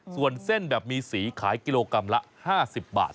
ส่วนเส้นแบบมีสีขายกิโลกรัมละ๕๐บาท